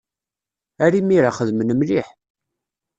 Ar imir-a, xedmen mliḥ.